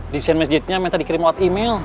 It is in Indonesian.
desain masjidnya minta dikirim lewat email